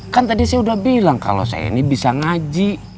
kan tadi saya udah bilang kalau saya ini bisa ngaji